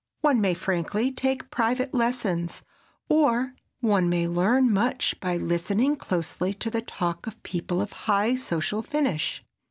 One may frankly take private lessons, or one may learn much by listening closely to the talk of people of high social finish.